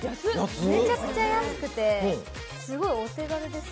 めちゃくちゃ安くて、すごいお手軽です。